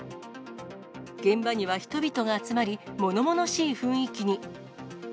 現場には人々が集まり、ものものしい雰囲気に。